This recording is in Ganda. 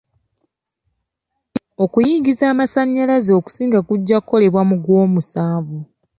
Okuyingiza amasannyalaze okusinga kujja kukolebwa mu gwomusanvu.